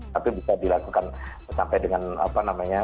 tapi bisa dilakukan sampai dengan apa namanya